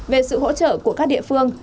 về sự hỗ trợ của các địa phương